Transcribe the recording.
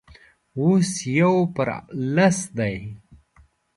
اوس يو پر لس دی.